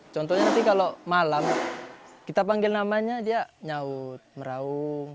contohnya nanti kalau malam kita panggil namanya dia nyaut meraung